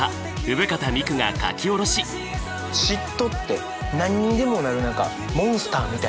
嫉妬って何にでもなる何かモンスターみたいなやつですよね。